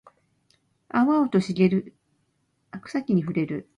青々と茂る草木に触れる